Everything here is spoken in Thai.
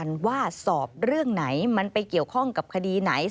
ว่าสอบเรื่องไหนมันไปเกี่ยวข้องกับคดีไหน